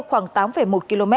khoảng tám một km